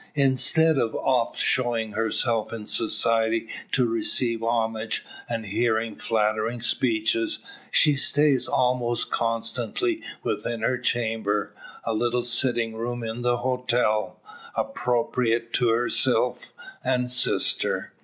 Instead of oft showing herself in society to receive homage and hear flattering speeches, she stays almost constantly within her chamber a little sitting room in the hotel, appropriated to herself and sister.